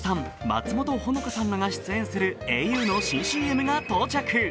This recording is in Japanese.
松本穂香さんらが出演するａｕの新ＣＭが到着。